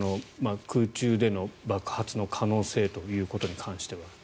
空中での爆発の可能性ということに関しては。